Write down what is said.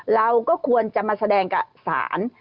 เราก็ควรจะมาแสดงกับศาล